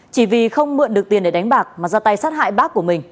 chỉ vì không mượn được tiền để đánh bạc mà ra tay sát hại bác của mình